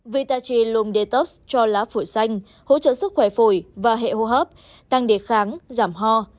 vita ci lung detox cho lá phổi xanh hỗ trợ sức khỏe phổi và hệ hô hấp tăng địa kháng giảm ho